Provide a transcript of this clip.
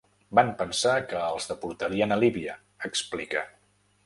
Van pensar que els deportarien a Líbia, explica.